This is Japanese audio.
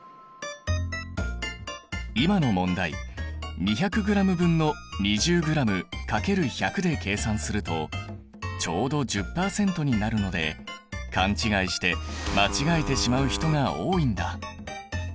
今の問題２００ｇ分の２０ｇ×１００で計算するとちょうど１０％になるので勘違いして間違えてしまう人が多いんだ。